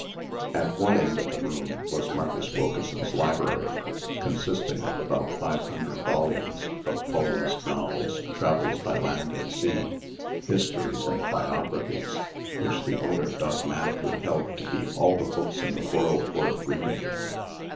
At one end of the room was Marcus Wilkeson's library, consisting of about five hundred volumes, of poems, novels, travels by land and sea, histories, and biographies, which the owner dogmatically held to be all the books in the world worth reading.